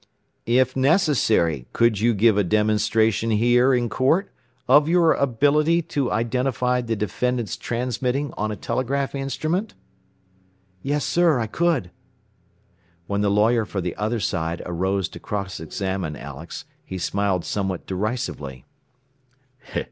"If necessary could you give a demonstration here in court of your ability to identify the defendant's transmitting on a telegraph instrument?" "Yes, sir, I could." When the lawyer for the other side arose to cross examine Alex he smiled somewhat derisively.